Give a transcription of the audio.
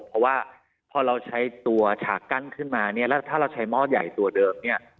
เพราะว่าพอเราใช้ตัวฉากกั้นขึ้นมาเนี่ยแล้วถ้าเราใช้หม้อใหญ่ตัวเดิมเนี่ย